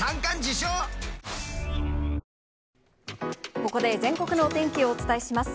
ここで全国のお天気をお伝えします。